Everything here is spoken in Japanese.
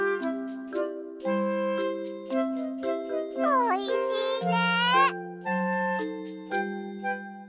おいしいね！